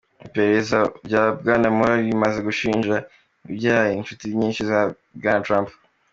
Iperereza rya Bwana Mueller rimaze gushinja ibyaha inshuti nyinshi za Bwana Trump.